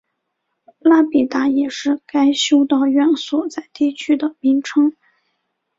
拉比达也是该修道院所在地区的名称。